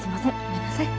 ごめんなさい。